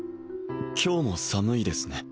今日今日も寒いですね